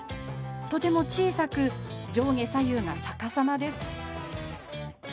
とても小さく上下左右が逆さまです。